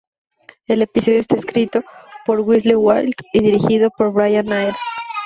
El episodio está escrito por Wellesley Wild y dirigido por Brian Iles.